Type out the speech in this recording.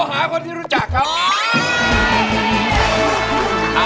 โทรหาคนที่รู้จักเขา